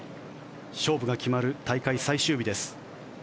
勝負が決まる大会最終日です。